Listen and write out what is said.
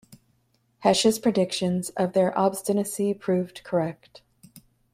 Hesh's predictions of their obstinacy proved correct.